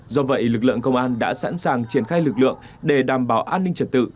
do vậy lực lượng công an đã sẵn sàng triển khai lực lượng để đảm bảo an ninh trật tự